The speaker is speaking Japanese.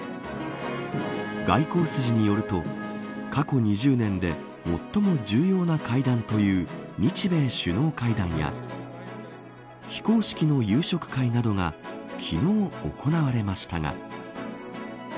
外交筋によると過去２０年で最も重要な会談という日米首脳会談や非公式の夕食会などが昨日、行われましたが。